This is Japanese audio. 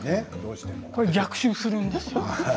逆襲するんですよ。